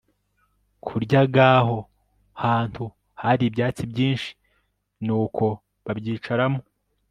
kurya g Aho hantu hari ibyatsi byinshi nuko babyicaramo